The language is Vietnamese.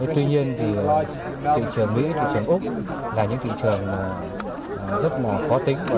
tuy nhiên thị trường mỹ thị trường úc là những thị trường rất khó tính